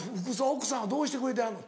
奥さんはどうしてくれてはんの？